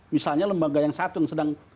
misalnya lembaga yang satu yang sedang